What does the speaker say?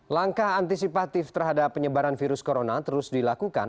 langkah antisipatif terhadap penyebaran virus corona terus dilakukan